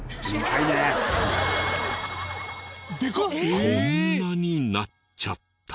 こんなになっちゃった。